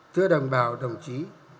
thưa đồng bào đồng chí